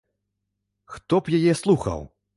Хто б яе слухаў?